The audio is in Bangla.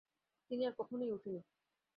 তিনি আর কখনোই উঠেনি।